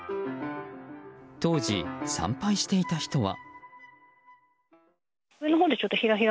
当時参拝していた人は。